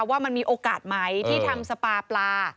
ว่ามันมีโอกาสไหมที่ทำสปาปลา